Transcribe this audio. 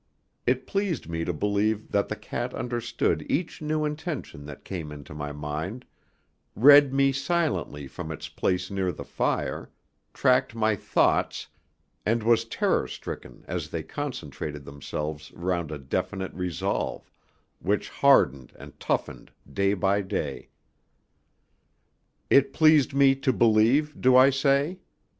It pleased me to believe that the cat understood each new intention that came into my mind, read me silently from its place near the fire, tracked my thoughts, and was terror stricken as they concentrated themselves round a definite resolve, which hardened and toughened day by day. It pleased me to believe, do I say?